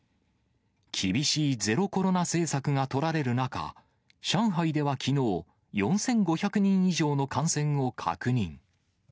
厳しいゼロコロナ政策が取られる中、上海ではきのう、４５００人以上の感染を確認。